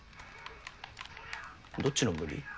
どっちの無理？